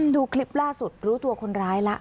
ดูคลิปล่าสุดรู้ตัวคนร้ายแล้ว